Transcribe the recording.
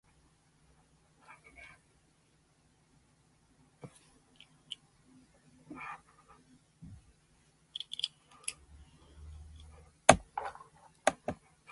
人生とは、予測不可能な出来事の連続ですね。